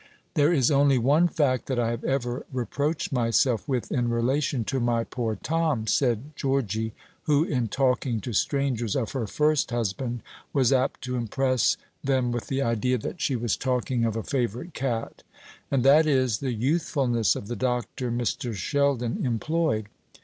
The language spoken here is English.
"There is only one fact that I have ever reproached myself with in relation to my poor Tom," said Georgy, who, in talking to strangers of her first husband, was apt to impress them with the idea that she was talking of a favourite cat; "and that is, the youthfulness of the doctor Mr. Sheldon employed.